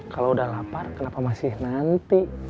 kalau udah lapar kenapa masih nanti